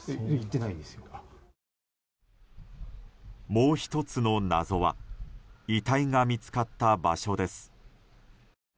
もう１つの謎は遺体が見つかった場所です。